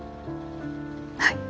はい。